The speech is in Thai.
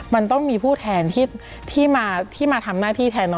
มันต้องมีผู้แทนที่มาทำหน้าที่แทนน้อง